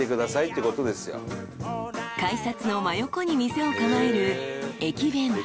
［改札の真横に店を構える］